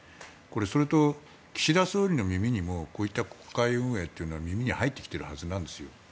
それと、岸田総理の耳にもこういった国会運営というのは耳に入ってきてるはずなんです。